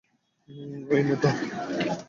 এই নে ধর!